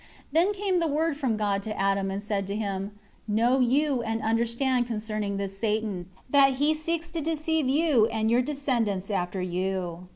4 Then came the Word from God to Adam, and said to him, "Know you and understand concerning this Satan, that he seeks to deceive you and your descendants after you."